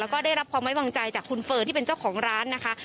แล้วก็ได้รับความไว้วางใจจากคุณเฟิร์นที่เป็นเจ้าของร้านนะคะ